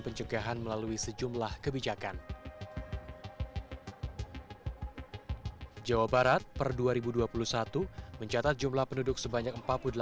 pencegahan melalui sejumlah kebijakan jawa barat per dua ribu dua puluh satu mencatat jumlah penduduk sebanyak